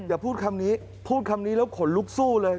อย่าพูดคำนี้พูดคำนี้แล้วขนลุกสู้เลย